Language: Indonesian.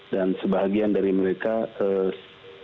dan sebagian dari mereka yang berada di dalam kapal tenggelam